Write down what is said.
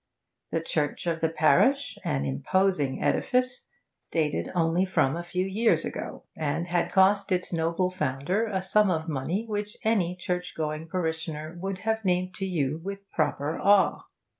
The church of the parish, an imposing edifice, dated only from a few years ago, and had cost its noble founder a sum of money which any church going parishioner would have named to you with proper awe.